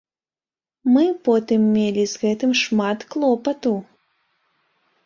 Мы потым мелі з гэтым шмат клопату.